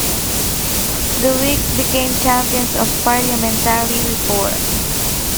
The Whigs became champions of Parliamentary reform.